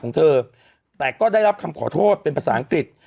ของเธอแต่ก็ได้รับคำขอโทษเป็นภาษาอังกฤษ